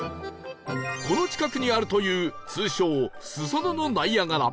この近くにあるという通称裾野のナイアガラ